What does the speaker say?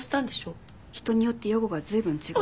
人によって予後が随分違う。